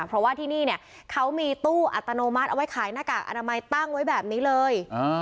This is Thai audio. เพราะว่าที่นี่เนี่ยเขามีตู้อัตโนมัติเอาไว้ขายหน้ากากอนามัยตั้งไว้แบบนี้เลย